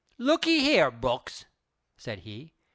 "Look ye here, Brooks," said be.